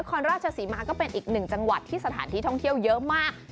คอนราชศรีมาก็เป็นอีกหนึ่งจังหวัดที่สถานที่ท่องเที่ยวเยอะมาก